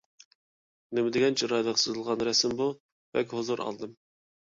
نېمىدېگەن چىرايلىق سىزىلغان رەسىم بۇ! بەك ھۇزۇر ئالدىم.